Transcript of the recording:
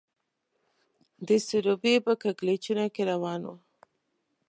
د سروبي په کږلېچونو کې روان وو.